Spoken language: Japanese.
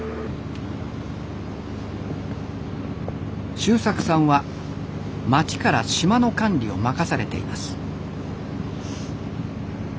修策さんは町から島の管理を任されています。